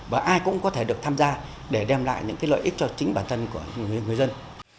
và ai cũng có thể được tham gia để đem lại những lợi ích cho chính bản thân của người dân